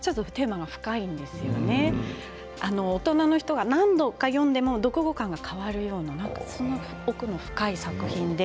大人の人が何度か読んでも読後感が変わる奥の深い作品です。